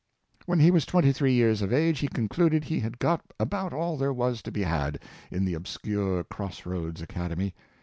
When he was 23 years of age he concluded he had got about all there was to be had in the obscure cross roads academy.